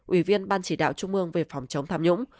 ủy viên ban chỉ đạo trung ương về phòng chống tham nhũng